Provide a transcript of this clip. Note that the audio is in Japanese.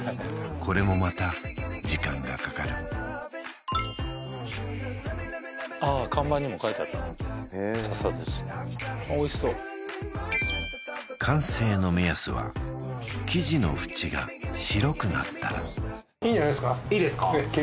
これもまた時間がかかるああ看板にも書いてあった笹寿司おいしそう完成の目安は生地のフチが白くなったらいいですか？